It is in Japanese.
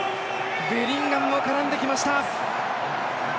ベリンガムも絡んできました。